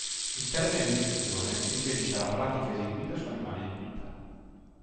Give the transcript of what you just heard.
Il termine vivisezione si riferisce alla pratica eseguita su animali in vita.